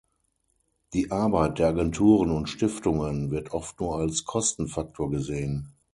Die Arbeit der Agenturen und Stiftungen wird oft nur als Kostenfaktor gesehen.